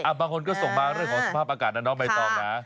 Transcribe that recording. อ่ะบางคนก็ส่งมาเรื่องของสภาพอากาศนะเนาะใบต่อมา